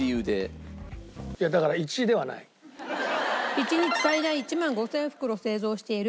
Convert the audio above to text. １日最大１万５０００袋を製造している。